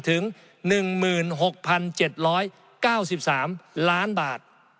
ถึง๑๖๗๙๓ล้านบาท